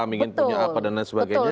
mungkin punya apa dana sebagainya